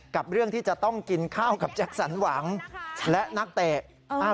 กับเรื่องที่จะต้องกินข้าวกับแจ็คสันหวังและนักเตะ